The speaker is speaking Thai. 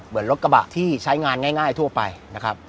เหมือนรถกระบะที่ใช้งานง่ายทั่วไปนะครับ